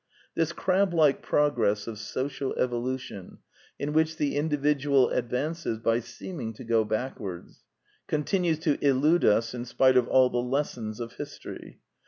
This crablike progress of social evolution, in which the individual advances by seeming to go backward, continues to illude us in spite of all the lessons of history.